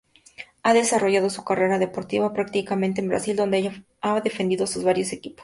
Ha desarrollado su carrera deportiva prácticamente en Brasil, donde ha defendido a varios equipos.